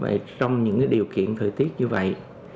vậy trong những cái điều kiện thời tiết như vậy